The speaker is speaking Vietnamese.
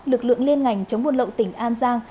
lực lượng liên ngành chống buôn lậu tỉnh an giang